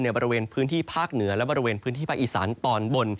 บริเวณพื้นที่ภาคเหนือและบริเวณพื้นที่ภาคอีสานตอนบน